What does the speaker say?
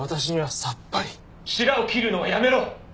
「しらを切るのはやめろ！」